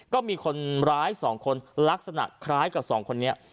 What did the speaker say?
ก็มีคนร้าย๒คนลักษณะคล้ายกับสองคนนี้